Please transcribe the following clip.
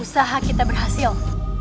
usaha kita berhasil